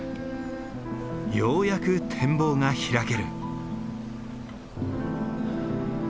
ようやく展望が開ける。